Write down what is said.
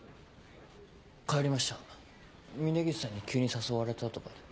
帰りました峰岸さんに急に誘われたとかで。